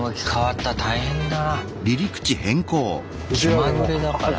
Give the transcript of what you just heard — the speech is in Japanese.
気まぐれだからな。